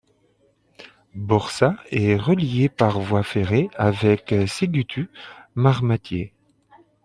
Borșa est reliée par voie ferrée avec Sighetu Marmației.